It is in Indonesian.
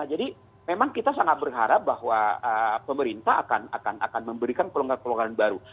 jadi memang kita sangat berharap bahwa pemerintah akan memberikan pelonggaran pelonggaran baru